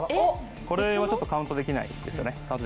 これはちょっとカウントできないですよね。